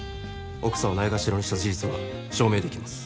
奧さんをないがしろにした事実は証明できます。